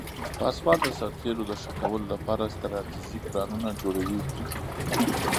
پاسوال د سرتیرو د ښه کولو لپاره استراتیژیک پلانونه جوړوي.